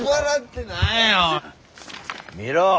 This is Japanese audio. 見ろ